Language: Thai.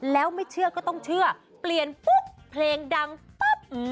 แล้วไม่เชื่อก็ต้องเชื่อเปลี่ยนปุ๊บเพลงดังปั๊บ